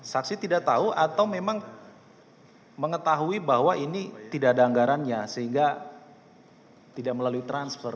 saksi tidak tahu atau memang mengetahui bahwa ini tidak ada anggarannya sehingga tidak melalui transfer